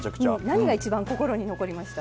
何が一番心に残りました？